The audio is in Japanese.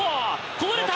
こぼれた！